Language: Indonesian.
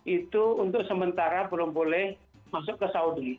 itu untuk sementara belum boleh masuk ke saudi